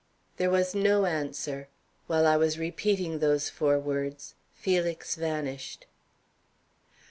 There was no answer. While I was repeating those four words, Felix vanished.